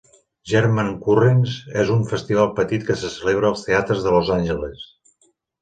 "German Currents" és un festival petit que se celebra als teatres de Los Angeles.